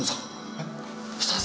えっ？